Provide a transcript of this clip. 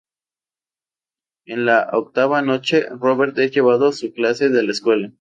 En la octava noche, Robert es llevado a su clase de la escuela.